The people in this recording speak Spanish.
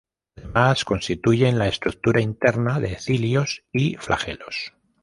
Además, constituyen la estructura interna de cilios y flagelos.